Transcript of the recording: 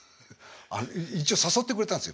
一応誘ってくれたんですよ。